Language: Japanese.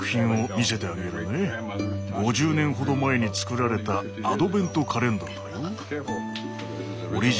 ５０年ほど前に作られたアドベントカレンダーだよ。